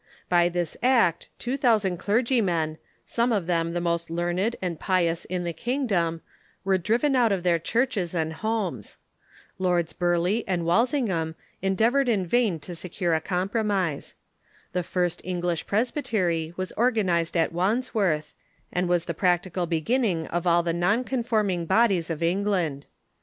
By this act two thousand clergymen, some of them the most learned and pious in the kingdom, were driven out of their churches and homes. Lords Burleigh and Walsingham endeavored in vain to secure a compromise. The first English presbytery was organized at AVandsworth, and was the practical beginning of all the non conforming bodies of England.